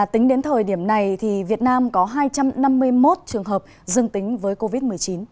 tính đến thời điểm này việt nam có hai trăm năm mươi một trường hợp dương tính với covid một mươi chín